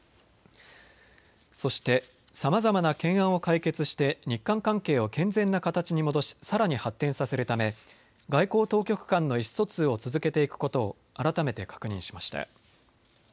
そして、さまざまな懸案を解決して日韓関係を健全な形に戻し、さらに発展させるため外交当局間の意思疎通を続けていくことを改めて確認しました。